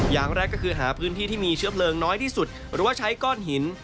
อย่างแรกก็คือหาพื้นที่ที่มีเชื้อเพลิงน้อยที่สุดหรือว่าใช้ก้อนหิน